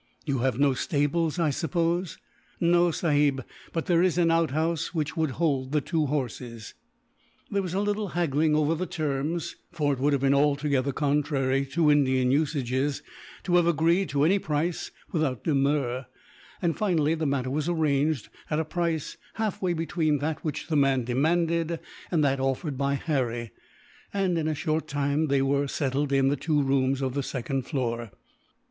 "You have no stables, I suppose?" "No, sahib, but there is an outhouse which would hold the two horses." [Illustration: There was a little haggling over the terms.] There was a little haggling over the terms; for it would have been altogether contrary, to Indian usages, to have agreed to any price without demur. Finally the matter was arranged, at a price halfway between that which the man demanded, and that offered by Harry and, in a short time, they were settled in the two rooms of the second floor.